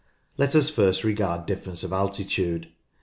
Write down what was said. Let us first regard difference of altitude.